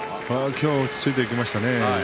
今日は落ち着いていきましたね。